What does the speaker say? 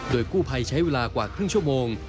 โดยกู้ภัยใช้เวลากว่าครึ่งชั่วโมง